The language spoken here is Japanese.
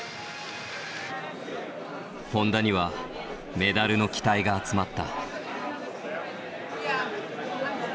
本多にはメダルの期待が集まった。